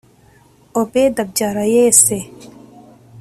obedi abyara yese